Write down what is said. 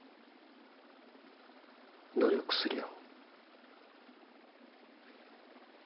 努力するよ。